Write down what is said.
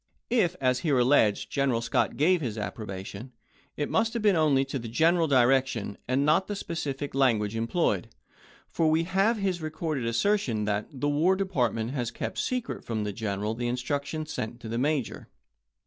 If, as here alleged, General Scott gave his appro bation, it must have been only to the general direc tion and not to the specific language employed, for we have his recorded assertion that "the War Department has kept secret from the General the instructions sent to the Major."